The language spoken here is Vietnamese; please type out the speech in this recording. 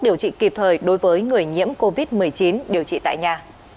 điều trị kịp thời đối với người nhiễm covid một mươi chín điều trị tại nhà